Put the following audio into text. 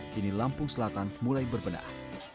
kini lampung selatan mulai berbenah